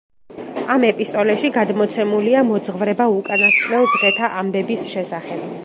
ამ ეპისტოლეში გადმოცემულია მოძღვრება უკანასკნელ დღეთა ამბების შესახებ.